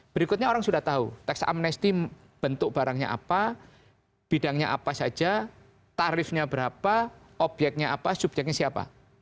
berikutnya orang sudah tahu teks amnesty bentuk barangnya apa bidangnya apa saja tarifnya berapa obyeknya apa subjeknya siapa